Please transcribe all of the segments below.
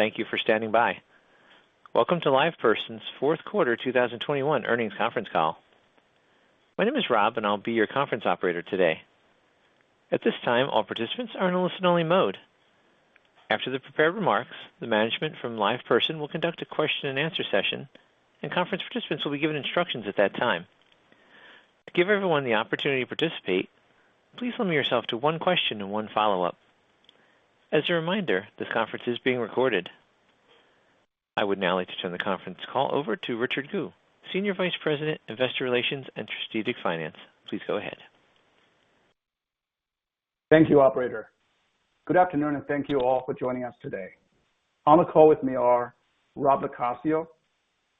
Thank you for standing by. Welcome to LivePerson's Q4 2021 earnings conference call. My name is Rob, and I'll be your conference operator today. At this time, all participants are in a listen-only mode. After the prepared remarks, the management from LivePerson will conduct a question-and-answer session, and conference participants will be given instructions at that time. To give everyone the opportunity to participate, please limit yourself to one question and one follow-up. As a reminder, this conference is being recorded. I would now like to turn the conference call over to Richard Gu, Senior Vice President, Investor Relations and Strategic Finance. Please go ahead. Thank you, operator. Good afternoon, and thank you all for joining us today. On the call with me are Rob LoCascio,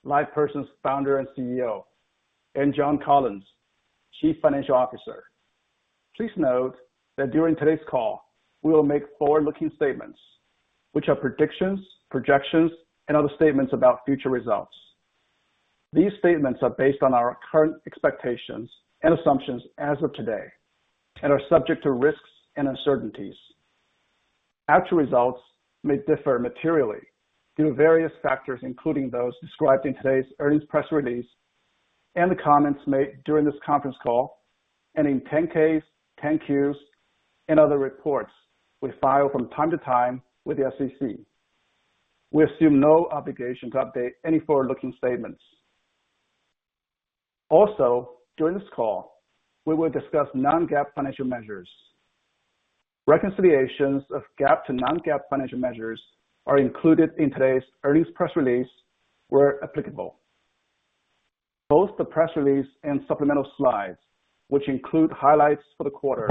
LivePerson's Founder and CEO, and John Collins, Chief Financial Officer. Please note that during today's call, we will make forward-looking statements which are predictions, projections, and other statements about future results. These statements are based on our current expectations and assumptions as of today and are subject to risks and uncertainties. Actual results may differ materially due to various factors, including those described in today's earnings press release and the comments made during this conference call and in 10-Ks, 10-Qs, and other reports we file from time to time with the SEC. We assume no obligation to update any forward-looking statements. Also, during this call, we will discuss non-GAAP financial measures. Reconciliations of GAAP to non-GAAP financial measures are included in today's earnings press release, where applicable. Both the press release and supplemental slides, which include highlights for the quarter,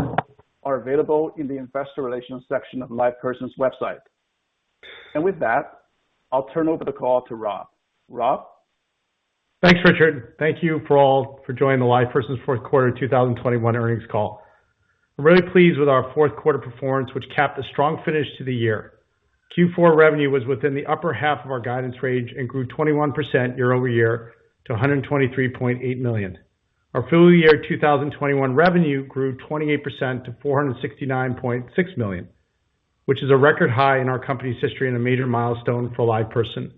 are available in the investor relations section of LivePerson's website. With that, I'll turn over the call to Rob. Rob? Thanks, Richard. Thank you for all for joining the LivePerson's Q4 2021 earnings call. I'm really pleased with our Q4 performance, which capped a strong finish to the year. Q4 revenue was within the upper half of our guidance range and grew 21% year-over-year to $123.8 million. Our full year 2021 revenue grew 28% to $469.6 million, which is a record high in our company's history and a major milestone for LivePerson.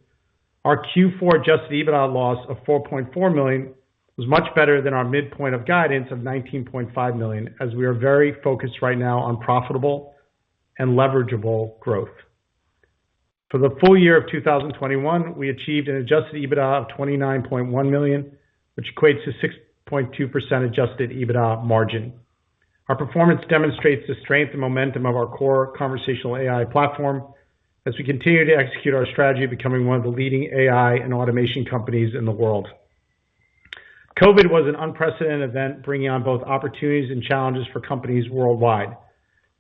Our Q4 adjusted EBITDA loss of $4.4 million was much better than our midpoint of guidance of $19.5 million, as we are very focused right now on profitable and leverageable growth. For the full year of 2021, we achieved an adjusted EBITDA of $29.1 million, which equates to 6.2% adjusted EBITDA margin. Our performance demonstrates the strength and momentum of our core conversational AI platform as we continue to execute our strategy of becoming one of the leading AI and automation companies in the world. COVID was an unprecedented event, bringing on both opportunities and challenges for companies worldwide.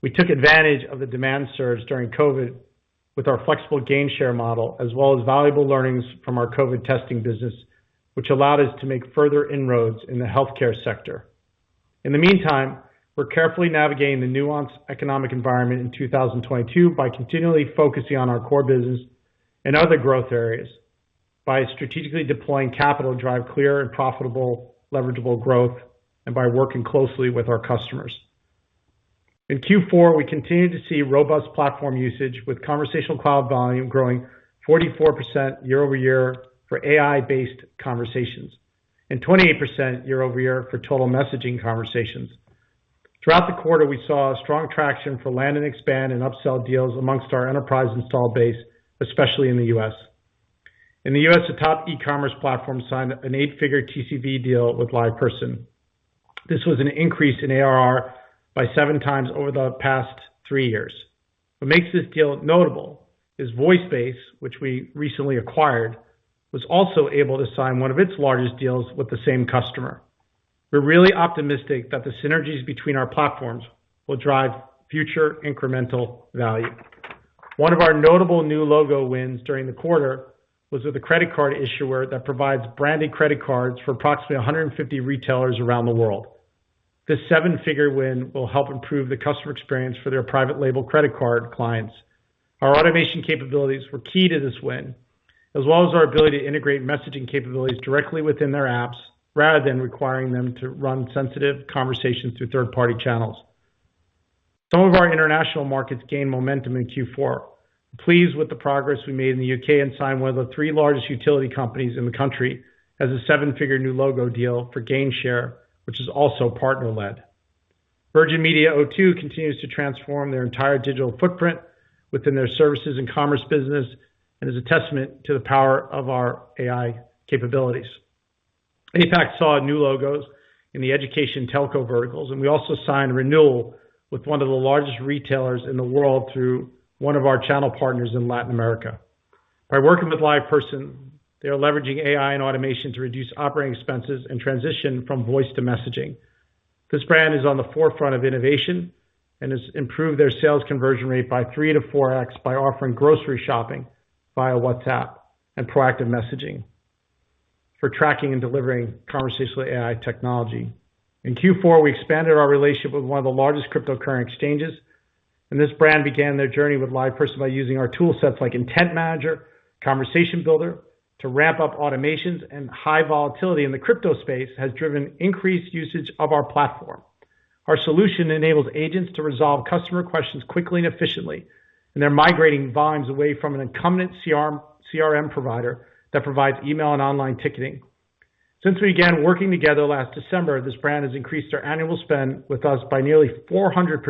We took advantage of the demand surge during COVID with our flexible GainShare model, as well as valuable learnings from our COVID testing business, which allowed us to make further inroads in the healthcare sector. In the meantime, we're carefully navigating the nuanced economic environment in 2022 by continually focusing on our core business and other growth areas by strategically deploying capital to drive clear and profitable, leverageable growth and by working closely with our customers. In Q4, we continued to see robust platform usage, with Conversational Cloud volume growing 44% year-over-year for AI-based conversations and 28% year-over-year for total messaging conversations. Throughout the quarter, we saw a strong traction for land and expand and upsell deals amongst our enterprise install base, especially in the U.S. In the U.S., the top e-commerce platform signed an eight-figure TCV deal with LivePerson. This was an increase in ARR by 7x over the past 3 years. What makes this deal notable is VoiceBase, which we recently acquired, was also able to sign one of its largest deals with the same customer. We're really optimistic that the synergies between our platforms will drive future incremental value. One of our notable new logo wins during the quarter was with a credit card issuer that provides branded credit cards for approximately 150 retailers around the world. This seven-figure win will help improve the customer experience for their private label credit card clients. Our automation capabilities were key to this win, as well as our ability to integrate messaging capabilities directly within their apps rather than requiring them to run sensitive conversations through third-party channels. Some of our international markets gained momentum in Q4. I'm pleased with the progress we made in the U.K. and signed one of the three largest utility companies in the country as a seven-figure new logo deal for GainShare, which is also partner-led. Virgin Media O2 continues to transform their entire digital footprint within their services and commerce business and is a testament to the power of our AI capabilities. APAC saw new logos in the education telco verticals, and we also signed renewal with one of the largest retailers in the world through one of our channel partners in Latin America. By working with LivePerson, they are leveraging AI and automation to reduce operating expenses and transition from voice to messaging. This brand is on the forefront of innovation and has improved their sales conversion rate by 3-4x by offering grocery shopping via WhatsApp and proactive messaging for tracking and delivering conversational AI technology. In Q4, we expanded our relationship with one of the largest cryptocurrency exchanges, and this brand began their journey with LivePerson by using our tool sets like Intent Manager, Conversation Builder to ramp up automations, and high volatility in the crypto space has driven increased usage of our platform. Our solution enables agents to resolve customer questions quickly and efficiently, and they're migrating volumes away from an incumbent CRM provider that provides email and online ticketing. Since we began working together last December, this brand has increased their annual spend with us by nearly 400%,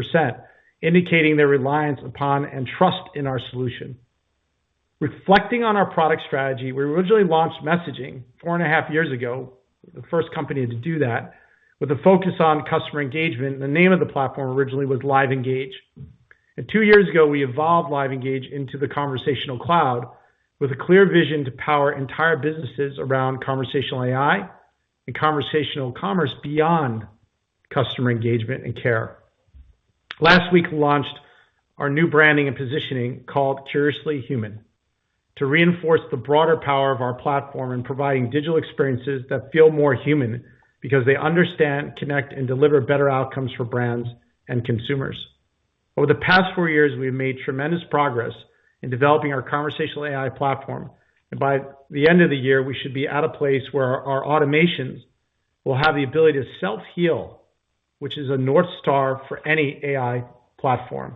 indicating their reliance upon and trust in our solution. Reflecting on our product strategy, we originally launched messaging 4.5 years ago, the first company to do that, with a focus on customer engagement. The name of the platform originally was LiveEngage. Two years ago, we evolved LiveEngage into the Conversational Cloud with a clear vision to power entire businesses around conversational AI and conversational commerce beyond customer engagement and care. We launched our new branding and positioning called Curiously Human, to reinforce the broader power of our platform in providing digital experiences that feel more human because they understand, connect, and deliver better outcomes for brands and consumers. Over the past four years, we've made tremendous progress in developing our conversational AI platform, and by the end of the year, we should be at a place where our automations will have the ability to self-heal, which is a north star for any AI platform.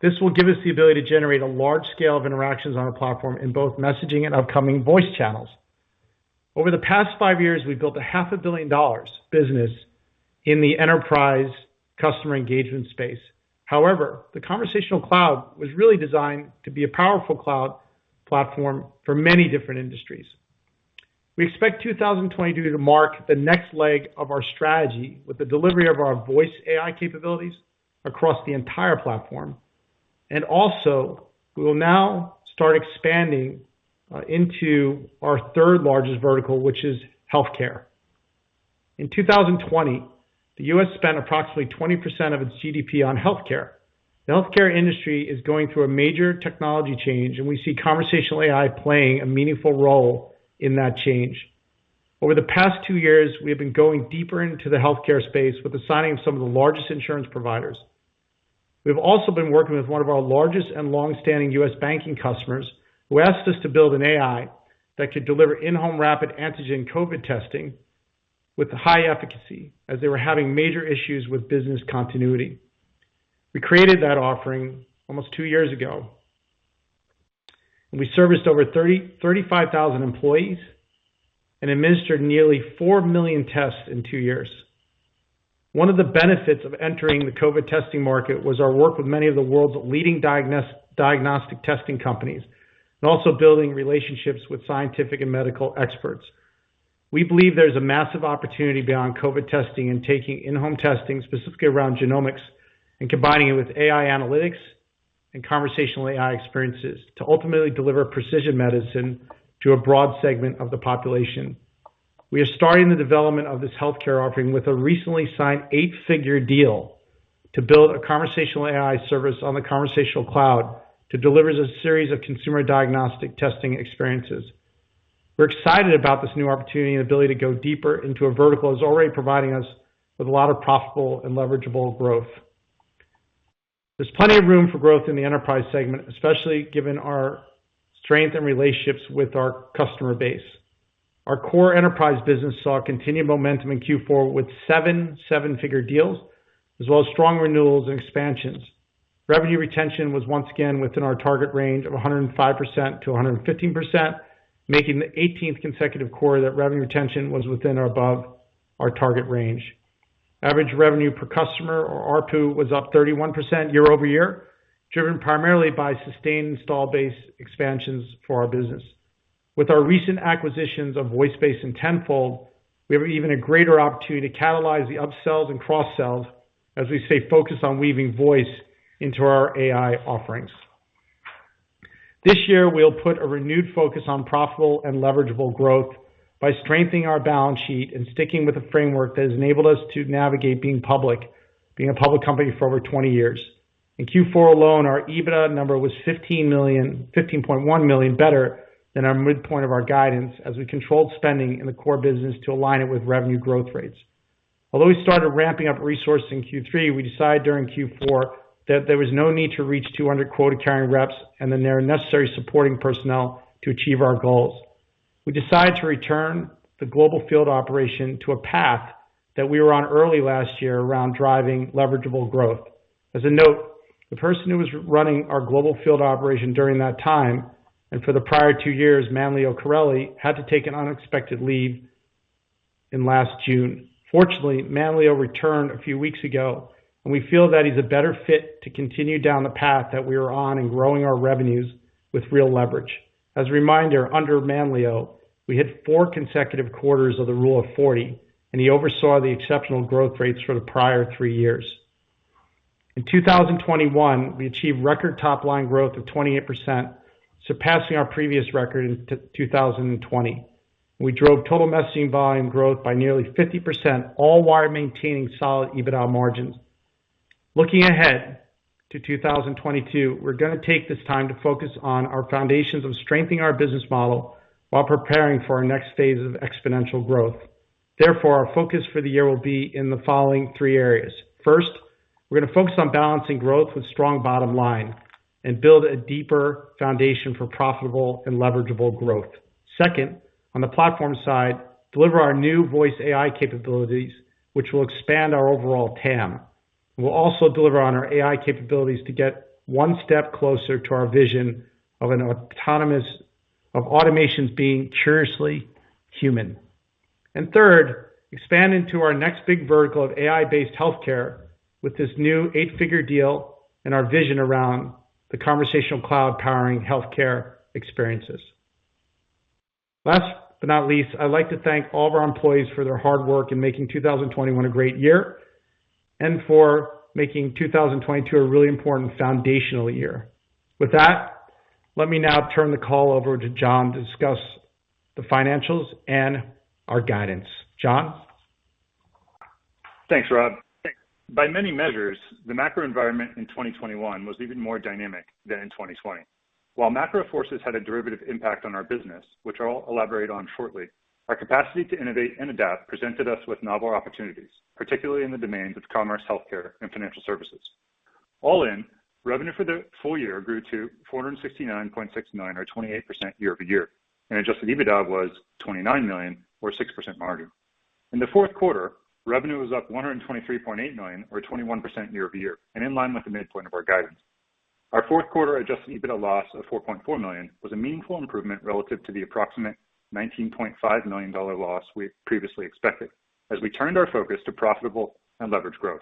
This will give us the ability to generate a large scale of interactions on our platform in both messaging and upcoming voice channels. Over the past five years, we've built a half a billion dollars business in the enterprise customer engagement space. However, the Conversational Cloud was really designed to be a powerful cloud platform for many different industries. We expect 2022 to mark the next leg of our strategy with the delivery of our Voice AI capabilities across the entire platform. We will now start expanding into our third-largest vertical, which is healthcare. In 2020, the U.S. spent approximately 20% of its GDP on healthcare. The healthcare industry is going through a major technology change, and we see Conversational AI playing a meaningful role in that change. Over the past two years, we have been going deeper into the healthcare space with the signing of some of the largest insurance providers. We've also been working with one of our largest and long-standing U.S. banking customers who asked us to build an AI that could deliver in-home rapid antigen COVID testing with high efficacy as they were having major issues with business continuity. We created that offering almost 2 years ago. We serviced over 30-35,000 employees and administered nearly 4 million tests in 2 years. One of the benefits of entering the COVID testing market was our work with many of the world's leading diagnostic testing companies and also building relationships with scientific and medical experts. We believe there's a massive opportunity beyond COVID testing and taking in-home testing, specifically around genomics, and combining it with AI analytics and conversational AI experiences to ultimately deliver precision medicine to a broad segment of the population. We are starting the development of this healthcare offering with a recently signed 8-figure deal to build a conversational AI service on the Conversational Cloud to deliver a series of consumer diagnostic testing experiences. We're excited about this new opportunity and ability to go deeper into a vertical that's already providing us with a lot of profitable and leverageable growth. There's plenty of room for growth in the enterprise segment, especially given our strength and relationships with our customer base. Our core enterprise business saw continued momentum in Q4 with 7-figure deals, as well as strong renewals and expansions. Revenue retention was once again within our target range of 105%-115%, making the 18th consecutive quarter that revenue retention was within or above our target range. Average revenue per customer, or ARPU, was up 31% year-over-year, driven primarily by sustained install base expansions for our business. With our recent acquisitions of VoiceBase and Tenfold, we have even a greater opportunity to catalyze the upsells and cross-sells as we stay focused on weaving voice into our AI offerings. This year, we'll put a renewed focus on profitable and leverageable growth by strengthening our balance sheet and sticking with the framework that has enabled us to navigate being public, being a public company for over 20 years. In Q4 alone, our EBITDA number was $15.1 million better than our midpoint of our guidance as we controlled spending in the core business to align it with revenue growth rates. Although we started ramping up resourcing in Q3, we decided during Q4 that there was no need to reach 200 quota-carrying reps and the necessary supporting personnel to achieve our goals. We decided to return the global field operation to a path that we were on early last year around driving leverageable growth. As a note, the person who was running our global field operation during that time and for the prior two years, Manlio Carrelli, had to take an unexpected leave in last June. Fortunately, Manlio returned a few weeks ago, and we feel that he's a better fit to continue down the path that we were on in growing our revenues with real leverage. As a reminder, under Manlio, we hit four consecutive quarters of the Rule of 40, and he oversaw the exceptional growth rates for the prior three years. In 2021, we achieved record top-line growth of 28%, surpassing our previous record in 2020. We drove total messaging volume growth by nearly 50%, all while maintaining solid EBITDA margins. Looking ahead to 2022, we're gonna take this time to focus on our foundations of strengthening our business model while preparing for our next phase of exponential growth. Therefore, our focus for the year will be in the following three areas. First, we're gonna focus on balancing growth with strong bottom line and build a deeper foundation for profitable and leverageable growth. Second, on the platform side, deliver our new Voice AI capabilities, which will expand our overall TAM. We'll also deliver on our AI capabilities to get one step closer to our vision of an autonomous of automations being Curiously Human. Third, expand into our next big vertical of AI-based healthcare with this new eight-figure deal and our vision around the Conversational Cloud powering healthcare experiences. Last but not least, I'd like to thank all of our employees for their hard work in making 2021 a great year and for making 2022 a really important foundational year. With that, let me now turn the call over to John to discuss the financials and our guidance. John? Thanks, Rob. By many measures, the macro environment in 2021 was even more dynamic than in 2020. While macro forces had a derivative impact on our business, which I'll elaborate on shortly, our capacity to innovate and adapt presented us with novel opportunities, particularly in the domains of commerce, healthcare, and financial services. All in, revenue for the full year grew to $469.69 or 28% year over year, and adjusted EBITDA was $29 million or 6% margin. In the Q4, revenue was up $123.8 million or 21% year over year and in line with the midpoint of our guidance. Our Q4 adjusted EBITDA loss of $4.4 million was a meaningful improvement relative to the approximate $19.5 million loss we had previously expected as we turned our focus to profitable and leveraged growth.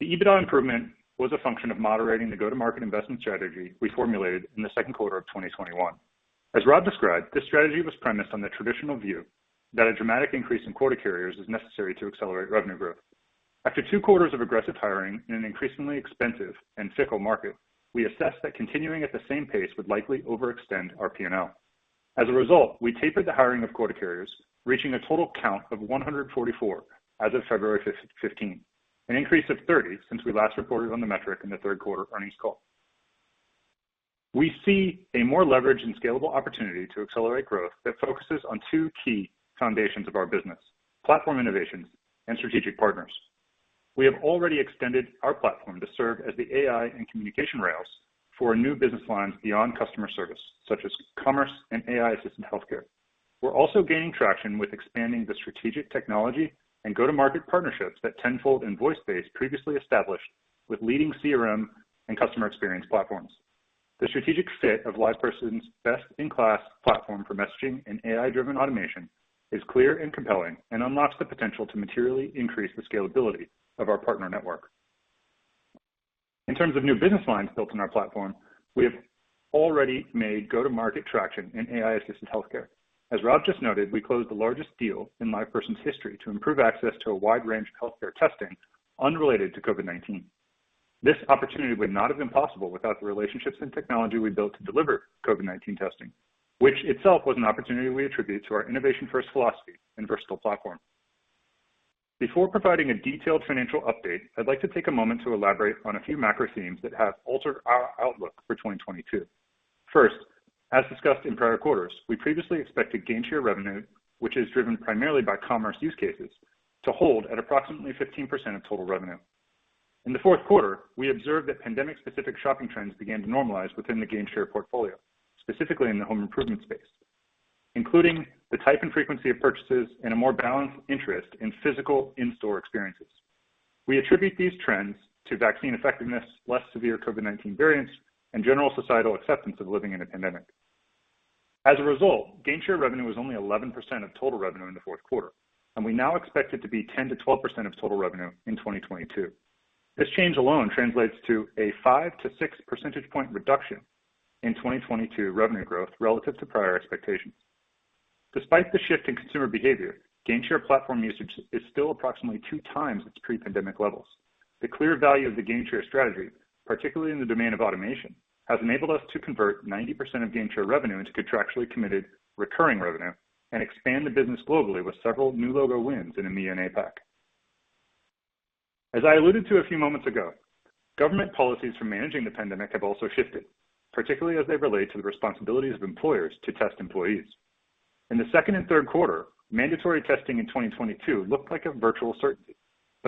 The EBITDA improvement was a function of moderating the go-to-market investment strategy we formulated in the Q2 of 2021. As Rob described, this strategy was premised on the traditional view that a dramatic increase in quota carriers is necessary to accelerate revenue growth. After two quarters of aggressive hiring in an increasingly expensive and fickle market, we assessed that continuing at the same pace would likely overextend our P&L. As a result, we tapered the hiring of quota carriers, reaching a total count of 144 as of February 15, an increase of 30 since we last reported on the metric in the Q3 earnings call. We see a more leveraged and scalable opportunity to accelerate growth that focuses on two key foundations of our business, platform innovations and strategic partners. We have already extended our platform to serve as the AI and communication rails for new business lines beyond customer service, such as commerce and AI-assisted healthcare. We're also gaining traction with expanding the strategic technology and go-to-market partnerships that Tenfold and VoiceBase previously established with leading CRM and customer experience platforms. The strategic fit of LivePerson's best-in-class platform for messaging and AI-driven automation is clear and compelling and unlocks the potential to materially increase the scalability of our partner network. In terms of new business lines built on our platform, we have already made go-to-market traction in AI-assisted healthcare. As Rob just noted, we closed the largest deal in LivePerson's history to improve access to a wide range of healthcare testing unrelated to COVID-19. This opportunity would not have been possible without the relationships and technology we built to deliver COVID-19 testing, which itself was an opportunity we attribute to our innovation-first philosophy and versatile platform. Before providing a detailed financial update, I'd like to take a moment to elaborate on a few macro themes that have altered our outlook for 2022. First, as discussed in prior quarters, we previously expected GainShare revenue, which is driven primarily by commerce use cases, to hold at approximately 15% of total revenue. In the Q4, we observed that pandemic-specific shopping trends began to normalize within the GainShare portfolio, specifically in the home improvement space, including the type and frequency of purchases and a more balanced interest in physical in-store experiences. We attribute these trends to vaccine effectiveness, less severe COVID-19 variants, and general societal acceptance of living in a pandemic. As a result, GainShare revenue was only 11% of total revenue in the Q4, and we now expect it to be 10%-12% of total revenue in 2022. This change alone translates to a 5-6 percentage point reduction in 2022 revenue growth relative to prior expectations. Despite the shift in consumer behavior, GainShare platform usage is still approximately 2x its pre-pandemic levels. The clear value of the GainShare strategy, particularly in the domain of automation, has enabled us to convert 90% of GainShare revenue into contractually committed recurring revenue and expand the business globally with several new logo wins in EMEA and APAC. As I alluded to a few moments ago, government policies for managing the pandemic have also shifted, particularly as they relate to the responsibilities of employers to test employees. In the second and Q3, mandatory testing in 2022 looked like a virtual certainty.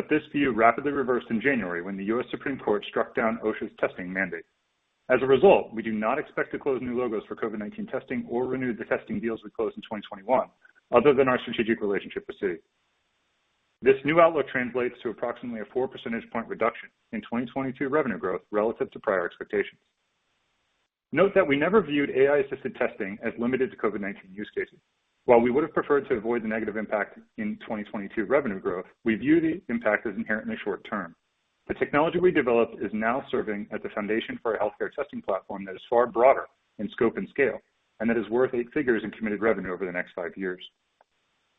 This view rapidly reversed in January when the U.S. Supreme Court struck down OSHA's testing mandate. As a result, we do not expect to close new logos for COVID-19 testing or renew the testing deals we closed in 2021, other than our strategic relationship with Citi. This new outlook translates to approximately a 4 percentage point reduction in 2022 revenue growth relative to prior expectations. Note that we never viewed AI-assisted testing as limited to COVID-19 use cases. While we would have preferred to avoid the negative impact in 2022 revenue growth, we view the impact as inherently short term. The technology we developed is now serving as the foundation for a healthcare testing platform that is far broader in scope and scale, and that is worth eight figures in committed revenue over the next five years.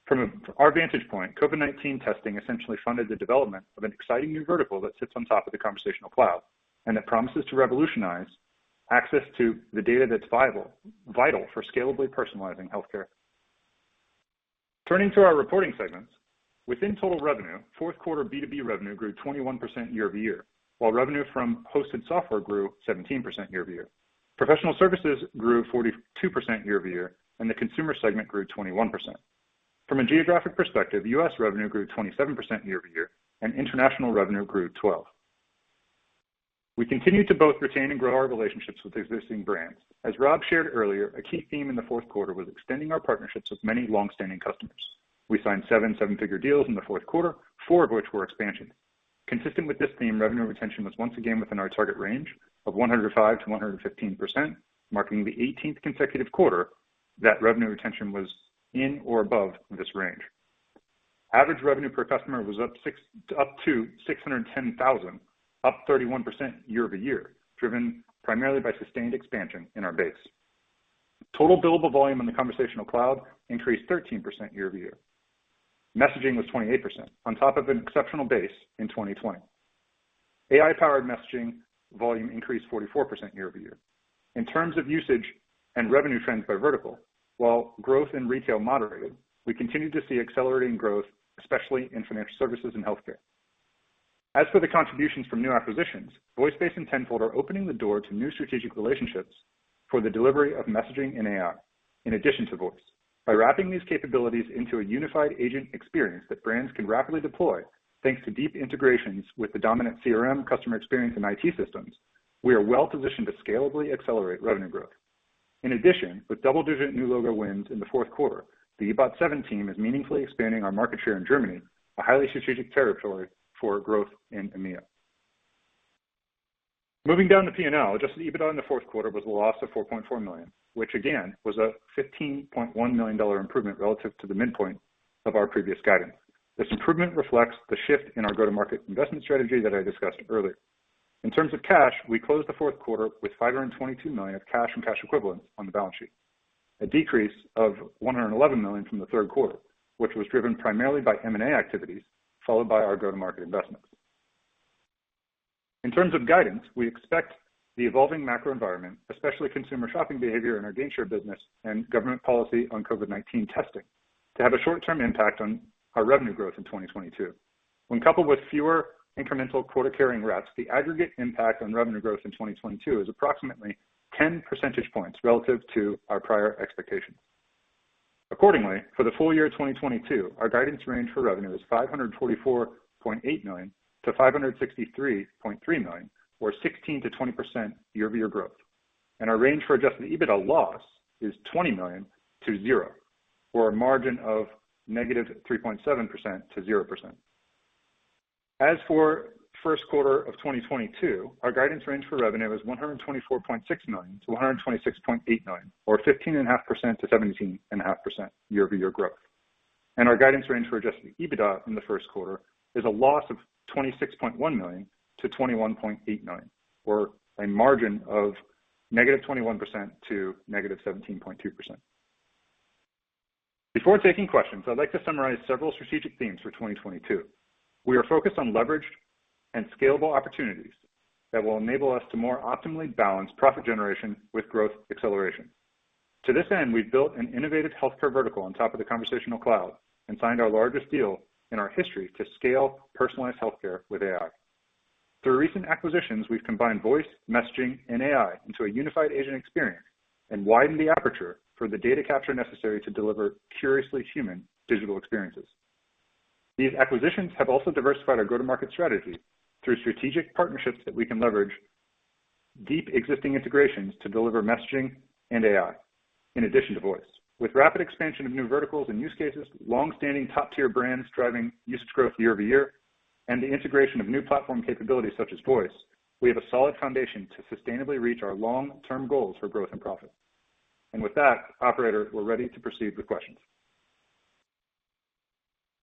From our vantage point, COVID-19 testing essentially funded the development of an exciting new vertical that sits on top of the Conversational Cloud and that promises to revolutionize access to the data that's vital for scalably personalizing healthcare. Turning to our reporting segments. Within total revenue, Q4 B2B revenue grew 21% year-over-year, while revenue from hosted software grew 17% year-over-year. Professional services grew 42% year-over-year, and the consumer segment grew 21%. From a geographic perspective, U.S. revenue grew 27% year-over-year, and international revenue grew 12%. We continued to both retain and grow our relationships with existing brands. As Rob shared earlier, a key theme in the Q4 was extending our partnerships with many long-standing customers. We signed seventh seven-figure deals in the Q4, 4 of which were expansions. Consistent with this theme, revenue retention was once again within our target range of 105%-115%, marking the 18th consecutive quarter that revenue retention was in or above this range. Average revenue per customer was up to $610,000, up 31% year-over-year, driven primarily by sustained expansion in our base. Total billable volume in the Conversational Cloud increased 13% year-over-year. Messaging was 28% on top of an exceptional base in 2020. AI-powered messaging volume increased 44% year-over-year. In terms of usage and revenue trends by vertical, while growth in retail moderated, we continued to see accelerating growth, especially in financial services and healthcare. As for the contributions from new acquisitions, VoiceBase and Tenfold are opening the door to new strategic relationships for the delivery of messaging and AI in addition to voice. By wrapping these capabilities into a unified agent experience that brands can rapidly deploy thanks to deep integrations with the dominant CRM customer experience and IT systems, we are well positioned to scalably accelerate revenue growth. In addition, with double-digit new logo wins in the Q4, the e-bot7 team is meaningfully expanding our market share in Germany, a highly strategic territory for growth in EMEA. Moving down to P&L, adjusted EBITDA in the Q4 was a loss of $4.4 million, which again was a $15.1 million improvement relative to the midpoint of our previous guidance. This improvement reflects the shift in our go-to-market investment strategy that I discussed earlier. In terms of cash, we closed the Q4 with $522 million of cash and cash equivalents on the balance sheet, a decrease of $111 million from the Q3, which was driven primarily by M&A activities, followed by our go-to-market investments. In terms of guidance, we expect the evolving macro environment, especially consumer shopping behavior in our GainShare business and government policy on COVID-19 testing, to have a short-term impact on our revenue growth in 2022. When coupled with fewer incremental quota-carrying reps, the aggregate impact on revenue growth in 2022 is approximately 10 percentage points relative to our prior expectations. Accordingly, for the full year 2022, our guidance range for revenue is $544.8 million-$563.3 million, or 16%-20% year-over-year growth. Our range for adjusted EBITDA loss is $20 million-$0, or a margin of -3.7% to 0%. As for Q1 of 2022, our guidance range for revenue is $124.6 million-$126.8 million, or 15.5%-17.5% year-over-year growth. Our guidance range for adjusted EBITDA in the Q1 is a loss of $26.1 million-$21.8 million, or a margin of -21% to -17.2%. Before taking questions, I'd like to summarize several strategic themes for 2022. We are focused on leveraged and scalable opportunities that will enable us to more optimally balance profit generation with growth acceleration. To this end, we've built an innovative healthcare vertical on top of the Conversational Cloud and signed our largest deal in our history to scale personalized healthcare with AI. Through recent acquisitions, we've combined voice, messaging, and AI into a unified agent experience and widened the aperture for the data capture necessary to deliver Curiously Human digital experiences. These acquisitions have also diversified our go-to-market strategy through strategic partnerships that we can leverage deep existing integrations to deliver messaging and AI in addition to voice. With rapid expansion of new verticals and use cases, long-standing top-tier brands driving usage growth year over year, and the integration of new platform capabilities such as voice, we have a solid foundation to sustainably reach our long-term goals for growth and profit. With that, operator, we're ready to proceed with questions.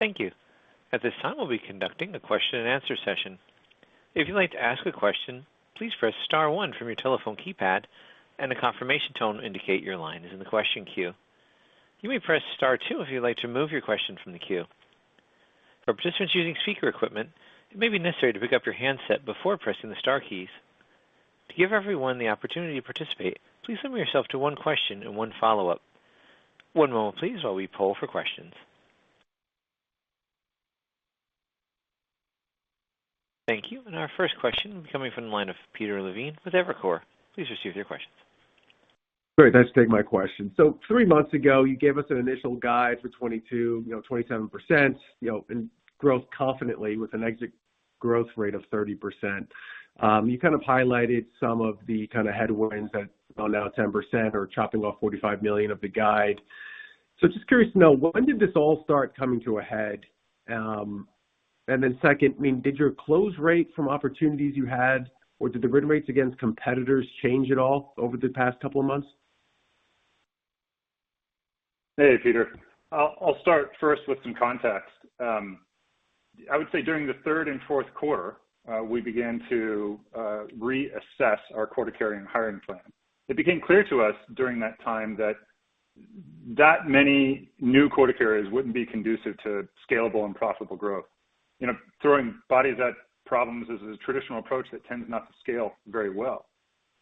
Thank you. At this time, we'll be conducting a question and answer session. If you'd like to ask a question, please press star one from your telephone keypad, and a confirmation tone will indicate your line is in the question queue. You may press star two if you'd like to remove your question from the queue. For participants using speaker equipment, it may be necessary to pick up your handset before pressing the star keys. To give everyone the opportunity to participate, please limit yourself to one question and one follow-up. One moment please while we poll for questions. Thank you. Our first question coming from the line of Peter Levine with Evercore. Please proceed with your question. Great. Thanks for taking my question. Three months ago, you gave us an initial guide for 2022, you know, 27%, you know, and growth confidently with an exit growth rate of 30%. You kind of highlighted some of the kind of headwinds that are now 10% or chopping off $45 million of the guide. Just curious to know, when did this all start coming to a head? And then second, I mean, did your close rate from opportunities you had, or did the win rates against competitors change at all over the past couple of months? Hey, Peter. I'll start first with some context. I would say during the third and Q4, we began to reassess our quota-carrying hiring plan. It became clear to us during that time that many new quota carriers wouldn't be conducive to scalable and profitable growth. You know, throwing bodies at problems is a traditional approach that tends not to scale very well.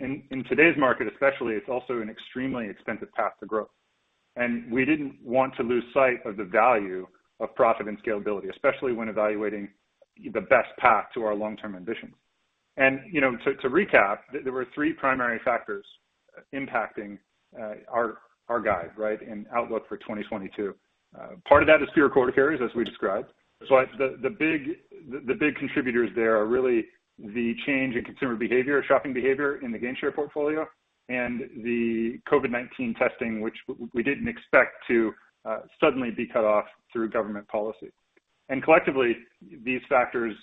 In today's market especially, it's also an extremely expensive path to growth. We didn't want to lose sight of the value of profit and scalability, especially when evaluating the best path to our long-term ambitions. You know, to recap, there were three primary factors impacting our guide and outlook for 2022. Part of that is pure quota carriers as we described. The big contributors there are really the change in consumer behavior, shopping behavior in the GainShare portfolio and the COVID-19 testing, which we didn't expect to suddenly be cut off through government policy. Collectively, these factors,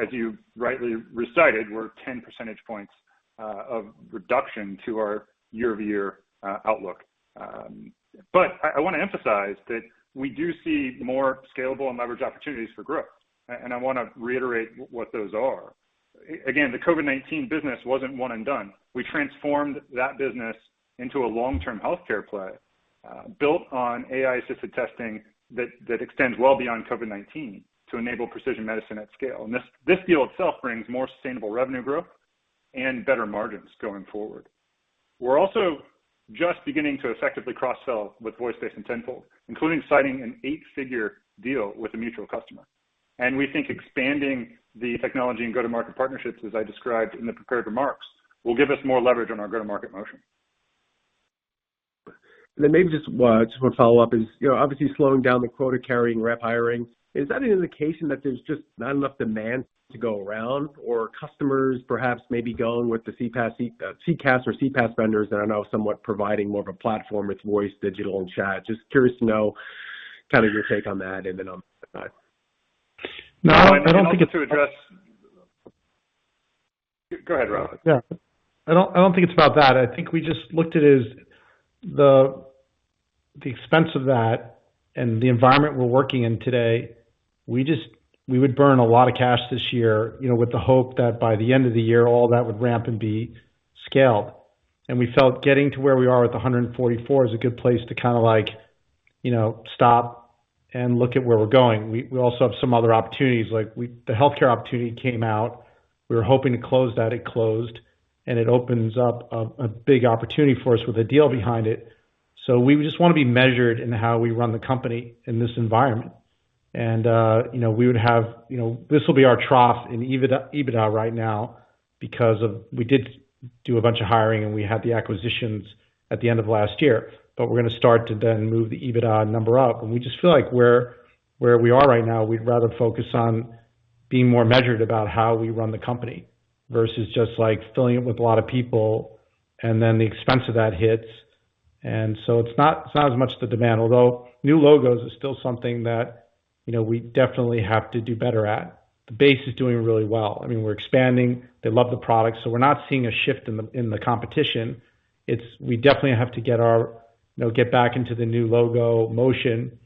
as you rightly recited, were 10 percentage points of reduction to our year-over-year outlook. I wanna emphasize that we do see more scalable and leverage opportunities for growth. I wanna reiterate what those are. Again, the COVID-19 business wasn't one and done. We transformed that business into a long-term healthcare play, built on AI-assisted testing that extends well beyond COVID-19 to enable precision medicine at scale. This deal itself brings more sustainable revenue growth and better margins going forward. We're also just beginning to effectively cross-sell with VoiceBase and Tenfold, including citing an eight-figure deal with a mutual customer. We think expanding the technology and go-to-market partnerships, as I described in the prepared remarks, will give us more leverage on our go-to-market motion. Maybe just one follow-up is, you know, obviously slowing down the quota carrying rep hiring, is that an indication that there's just not enough demand to go around or customers perhaps maybe going with the CPaaS, CCaaS or CPaaS vendors that are now somewhat providing more of a platform with voice, digital, and chat? Just curious to know kinda your take on that and then I'll be done. No, I don't think it's. Also to address. Go ahead, Rob. Yeah. I don't think it's about that. I think we just looked at it as the expense of that and the environment we're working in today. We would burn a lot of cash this year, you know, with the hope that by the end of the year, all that would ramp and be scaled. We felt getting to where we are with the 144 is a good place to kinda like, you know, stop and look at where we're going. We also have some other opportunities. The healthcare opportunity came out. We were hoping to close that. It closed, and it opens up a big opportunity for us with a deal behind it. We just wanna be measured in how we run the company in this environment. You know, we would have, you know, this will be our trough in EBITDA right now because we did do a bunch of hiring, and we had the acquisitions at the end of last year. We're gonna start to then move the EBITDA number up. We just feel like we're where we are right now, we'd rather focus on being more measured about how we run the company versus just, like, filling it with a lot of people, and then the expense of that hits. It's not, it's not as much the demand, although new logos is still something that, you know, we definitely have to do better at. The base is doing really well. I mean, we're expanding. They love the product. We're not seeing a shift in the competition. We definitely have to get our, you know, get back into the new logo motion,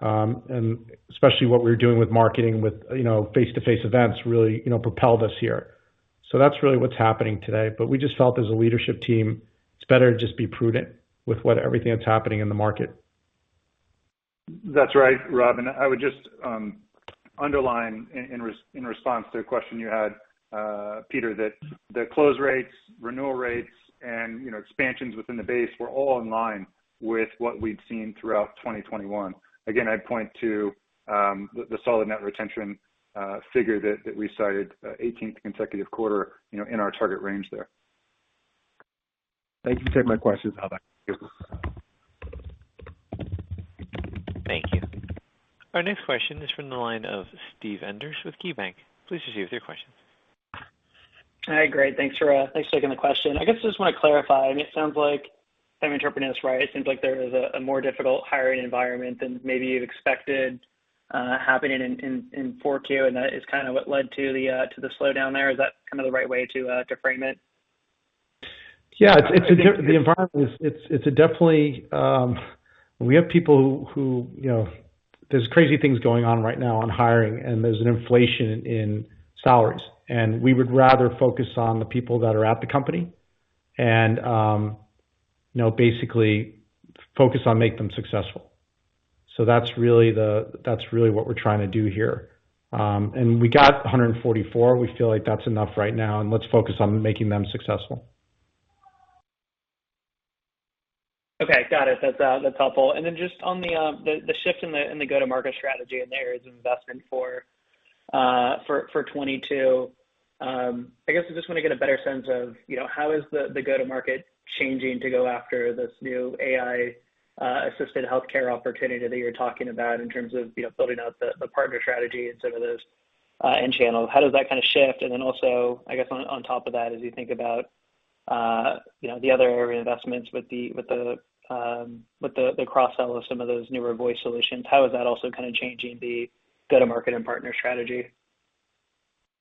and especially what we're doing with marketing, with, you know, face-to-face events really, you know, propelled us here. That's really what's happening today. We just felt as a leadership team, it's better to just be prudent with everything that's happening in the market. That's right, Robin. I would just underline in response to a question you had, Peter, that the close rates, renewal rates and, you know, expansions within the base were all in line with what we've seen throughout 2021. Again, I'd point to the solid net retention figure that we cited, eighteenth consecutive quarter, you know, in our target range there. Thank you. Take my questions. I'll hand back to you. Thank you. Our next question is from the line of Steve Enders with KeyBanc Capital Markets. Please proceed with your question. All right. Great. Thanks for taking the question. I guess I just wanna clarify. I mean, it sounds like if I'm interpreting this right, it seems like there is a more difficult hiring environment than maybe you've expected, happening in 4Q, and that is kinda what led to the slowdown there. Is that kinda the right way to frame it? Yeah. It's definitely the environment. We have people who, you know, there's crazy things going on right now on hiring, and there's an inflation in salaries. We would rather focus on the people that are at the company and, you know, basically focus on making them successful. That's really what we're trying to do here. We got 144. We feel like that's enough right now, and let's focus on making them successful. Okay. Got it. That's helpful. Just on the shift in the go-to-market strategy in there as an investment for 2022, I guess I just wanna get a better sense of, you know, how the go-to-market is changing to go after this new AI assisted healthcare opportunity that you're talking about in terms of, you know, building out the partner strategy and some of those end channels. How does that kinda shift? Also, I guess on top of that, as you think about, you know, the other area investments with the cross-sell of some of those newer voice solutions, how is that also kinda changing the go-to-market and partner strategy?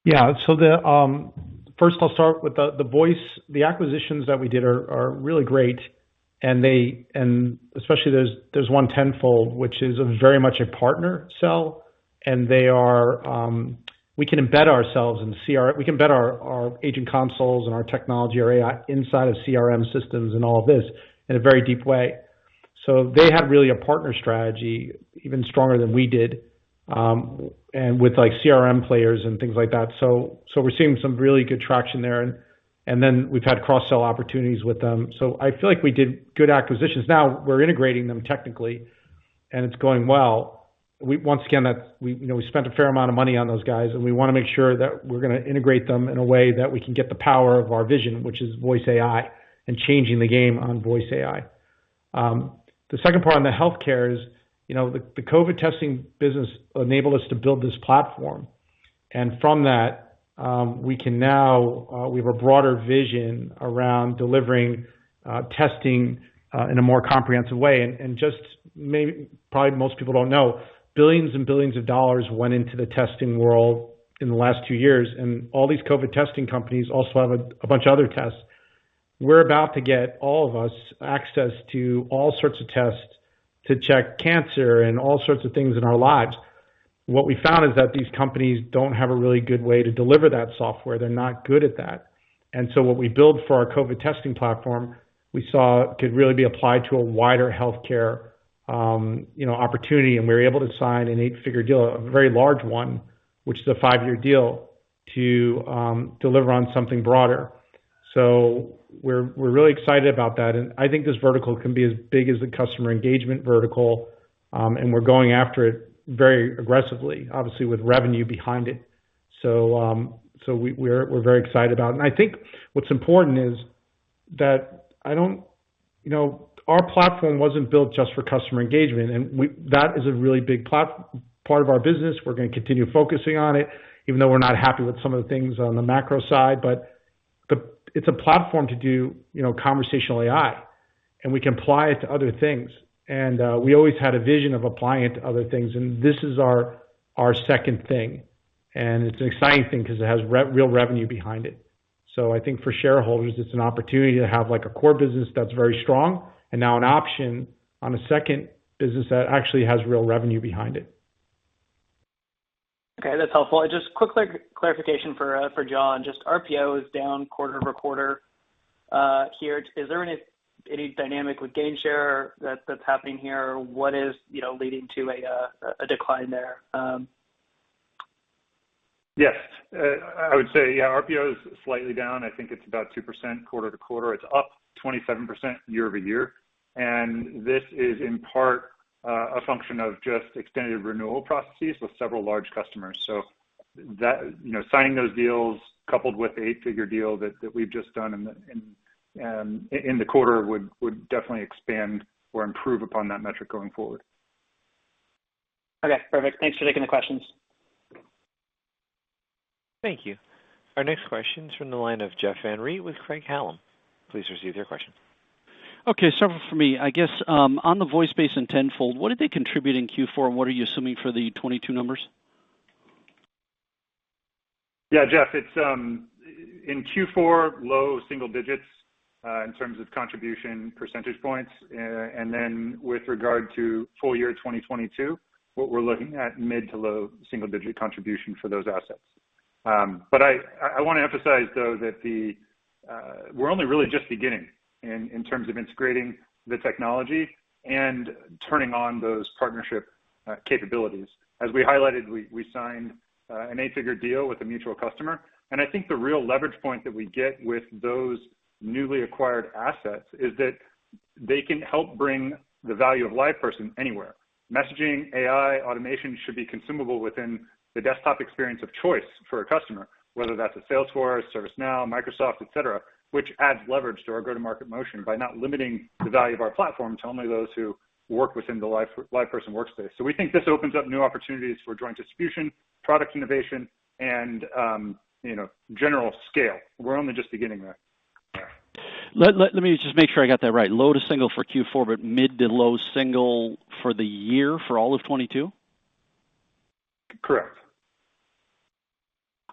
Yeah. First I'll start with the voice. The acquisitions that we did are really great, and especially there's one Tenfold which is very much a partner sell, and they are we can embed ourselves in CRM. We can embed our agent consoles and our technology, our AI inside of CRM systems and all of this in a very deep way. They had really a partner strategy even stronger than we did, and with like CRM players and things like that. We're seeing some really good traction there. Then we've had cross-sell opportunities with them. I feel like we did good acquisitions. Now we're integrating them technically, and it's going well. Once again, we, you know, spent a fair amount of money on those guys, and we wanna make sure that we're gonna integrate them in a way that we can get the power of our vision, which is Voice AI and changing the game on Voice AI. The second part on the healthcare is, you know, the COVID testing business enabled us to build this platform. From that, we can now, we have a broader vision around delivering testing in a more comprehensive way. Probably most people don't know, billions and billions of dollars went into the testing world in the last two years, and all these COVID testing companies also have a bunch of other tests. We're about to get all of us access to all sorts of tests to check cancer and all sorts of things in our lives. What we found is that these companies don't have a really good way to deliver that software. They're not good at that. What we build for our COVID testing platform, we saw could really be applied to a wider healthcare, you know, opportunity, and we were able to sign an eight-figure deal, a very large one, which is a five-year deal to deliver on something broader. We're really excited about that, and I think this vertical can be as big as the customer engagement vertical. We're going after it very aggressively, obviously with revenue behind it. We're very excited about it. I think what's important is that I don't... You know, our platform wasn't built just for customer engagement, that is a really big part of our business. We're gonna continue focusing on it, even though we're not happy with some of the things on the macro side. It's a platform to do, you know, conversational AI, and we can apply it to other things. We always had a vision of applying it to other things, and this is our second thing, and it's an exciting thing 'cause it has real revenue behind it. I think for shareholders, it's an opportunity to have, like, a core business that's very strong and now an option on a second business that actually has real revenue behind it. Okay, that's helpful. Just quick clarification for John. Just RPO is down quarter-over-quarter here. Is there any dynamic with GainShare that's happening here? What is, you know, leading to a decline there? Yes. I would say, yeah, RPO is slightly down. I think it's about 2% quarter-over-quarter. It's up 27% year-over-year. This is in part a function of just extended renewal processes with several large customers. You know, signing those deals coupled with the eight-figure deal that we've just done in the quarter would definitely expand or improve upon that metric going forward. Okay, perfect. Thanks for taking the questions. Thank you. Our next question is from the line of Jeff Van Rhee with Craig-Hallum. Please proceed with your question. Okay, several for me. I guess, on the VoiceBase and Tenfold, what did they contribute in Q4, and what are you assuming for the 2022 numbers? Yeah, Jeff, it's in Q4, low single digits in terms of contribution percentage points. With regard to full year 2022, what we're looking at mid- to low-single-digit contribution for those assets. I wanna emphasize though that we're only really just beginning in terms of integrating the technology and turning on those partnership capabilities. As we highlighted, we signed an eight-figure deal with a mutual customer. I think the real leverage point that we get with those newly acquired assets is that they can help bring the value of LivePerson anywhere. Messaging, AI, automation should be consumable within the desktop experience of choice for a customer, whether that's a Salesforce, ServiceNow, Microsoft, et cetera, which adds leverage to our go-to-market motion by not limiting the value of our platform to only those who work within the LivePerson workspace. We think this opens up new opportunities for joint distribution, product innovation, and, you know, general scale. We're only just beginning there. Let me just make sure I got that right. Low to single for Q4, but mid to low single for the year for all of 2022? Correct.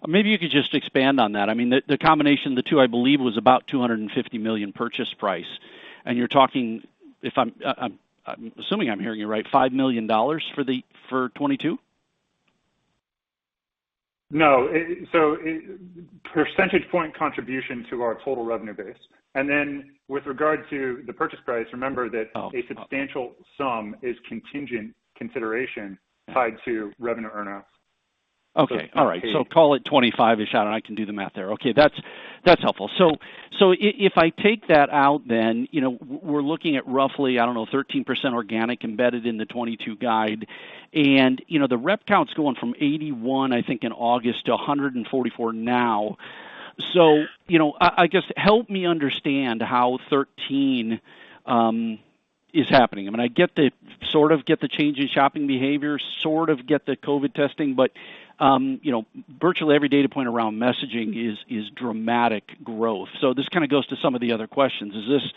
Maybe you could just expand on that. I mean, the combination of the two, I believe, was about $250 million purchase price. You're talking, if I'm assuming I'm hearing you right, $5 million for '22? No. Percentage point contribution to our total revenue base. Then with regard to the purchase price, remember that. Oh. A substantial sum is contingent consideration tied to revenue earnout. Call it 25-ish, and I can do the math there. Okay. That's helpful. If I take that out, then, you know, we're looking at roughly, I don't know, 13% organic embedded in the 2022 guide. You know, the rep count's going from 81, I think, in August to 144 now. You know, I guess help me understand how 13 is happening. I mean, I sort of get the change in shopping behavior, sort of get the COVID testing. You know, virtually every data point around messaging is dramatic growth. This kinda goes to some of the other questions. Is this.